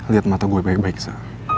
liat mata gue baik baik sa